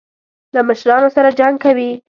له مشرانو سره جنګ کوي.